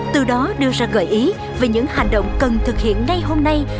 từ đó đưa ra gợi ý về những hành động cần thực hiện ngay hôm nay